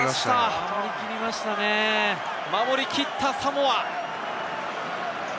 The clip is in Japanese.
守り切ったサモア。